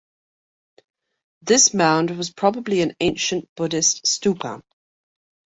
This mound was probably an ancient Buddhist stupa.